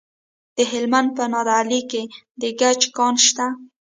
د هلمند په نادعلي کې د ګچ کان شته.